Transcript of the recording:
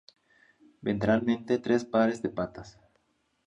Ventralmente tres pares de patas.